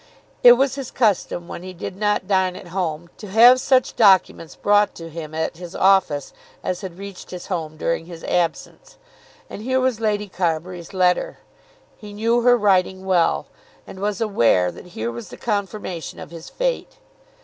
It was his custom when he did not dine at home to have such documents brought to him at his office as had reached his home during his absence; and here was Lady Carbury's letter. He knew her writing well, and was aware that here was the confirmation of his fate.